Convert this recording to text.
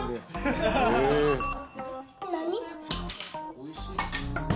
おいしい。